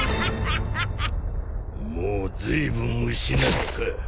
もうずいぶん失った。